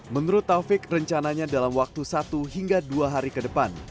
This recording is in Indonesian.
menurut taufik rencananya dalam waktu satu hingga dua hari ke depan